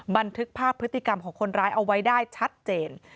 บันทึกภาพพฤติกรรมของคนร้ายเอาไว้ได้ชัดเจน